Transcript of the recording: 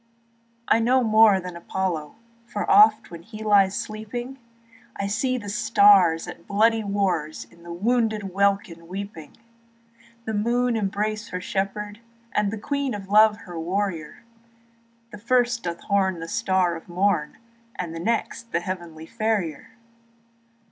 I know more than Apollo, For oft, when he lies sleeping I see the stars at bloody wars In the wounded welkin weeping; The moon embrace her shepherd, And the Queen of Love her warrior, While the first doth horn the star of morn, And the next the heavenly Farrier.